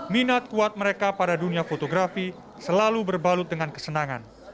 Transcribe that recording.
minat kuat mereka pada dunia fotografi selalu berbalut dengan kesenangan